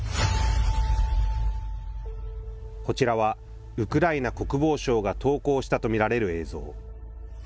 こちらはウクライナ国防省が投稿したと見られる映像。